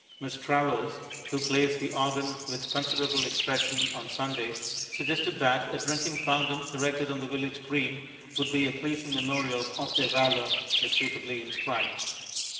Miss Travers, who plays the organ with considerable expression on Sundays, suggested that a drinking fountain erected on the village green would be a pleasing memorial of their valour, if suitably inscribed.